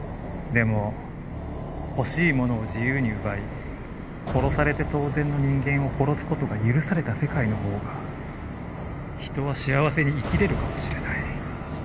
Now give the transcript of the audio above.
でも欲しいものを自由に奪い殺されて当然の人間を殺すことが許された世界の方が人は幸せに生きれるかもしれない。